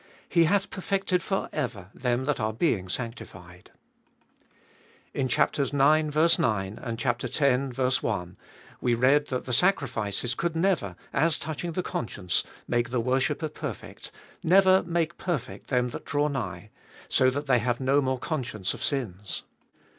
He hath perfected for ever them that are being sanctified. In chaps, ix. 9 and x. I we read that the sacrifices could never, as touching the conscience, make the worshipper perfect, never make perfect them that draw nigh, so that they have no more conscience of sins.